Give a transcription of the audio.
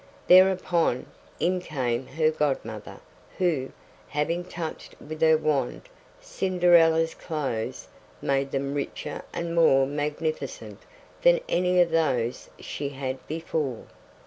Thereupon, in came her godmother, who, having touched with her wand Cinderella's clothes, made them richer and more magnificent than any of those she had before.